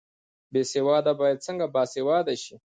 بې سواده باید څنګه باسواده شي؟